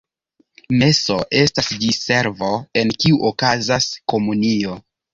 Meso estas diservo, en kiu okazas komunio.